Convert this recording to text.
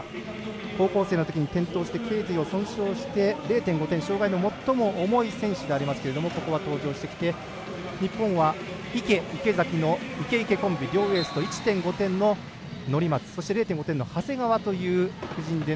高校生のときに転倒してけい髄を損傷して０．５点障がいの最も重い選手でありますけれどもここは登場してきて日本は、池、池崎のイケ・イケコンビと１．５点の乗松０．５点の長谷川という布陣。